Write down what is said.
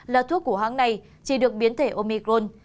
là thuốc của hãng này chỉ được biến thể omicron